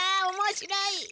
おもしろい！